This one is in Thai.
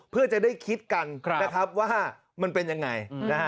เพื่อจะได้คิดกันว่ามันเป็นอย่างไร